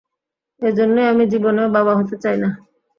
এ জন্যই আমি জীবনেও বাবা হতে চাই না।